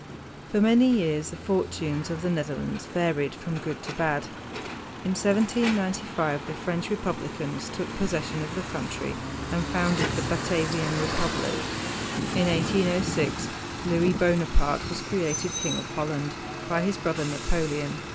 For many years the fortunes of the Netherlands varied from good to bad. In 1795 the French Republicans took possession of the country and founded the Batavian republic. In 1806 Louis Bonaparte was created king of Holland by his brother Napoleon.